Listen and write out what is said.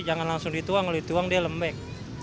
jangan langsung dituang kalau dituang dia lembek